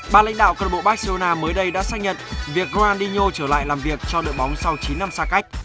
ba lãnh đạo club barcelona mới đây đã xác nhận việc ronaldinho trở lại làm việc cho đội bóng sau chín năm xa cách